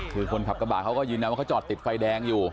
คือคนขับกระบาดเขาก็ยืนยันว่าเขาจอดติดไฟแดงอยู่